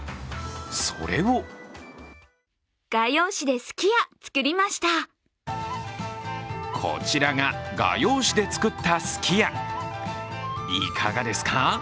それをこちらが画用紙で作った、すき家いかがですか。